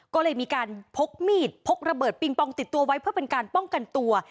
ก็เลยมีการพกมีดพกระเบิดปิงปองติดตัวไว้เพื่อเป็นการป้องกันตัว